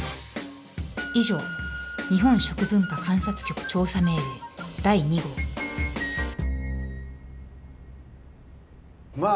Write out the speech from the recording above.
以上日本食文化監察局調査命令第二号まあ